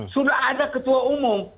sudah ada ketua umum